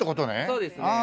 そうですね。